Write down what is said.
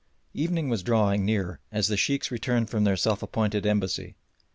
Evening was drawing near as the Sheikhs returned from their self appointed embassy.